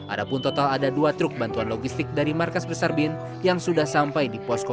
adapun total ada dua truk bantuan logistik dari markas besar bin yang sudah sampai di posko